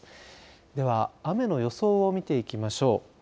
では雨の予想を見ていきましょう。